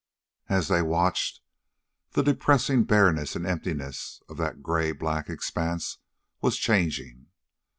And as they watched, the depressing bareness and emptiness of that gray black expanse was changing.